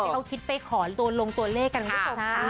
ที่เค้าคิดไปขอนลงตัวเลขกันครับ